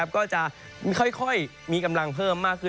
ก็จะค่อยมีกำลังเพิ่มมากขึ้น